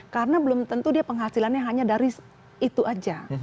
karena belum tentu dia penghasilannya hanya dari itu saja